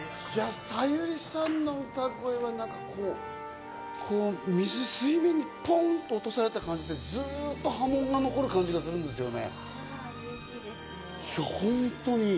さゆりさんの歌声は何かこう、水面にポンっと落とされた感じ、ずっと波紋が残る感じがするんで嬉しいですね。